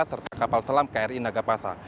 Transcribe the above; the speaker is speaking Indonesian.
serta kapal selam kri nagapasa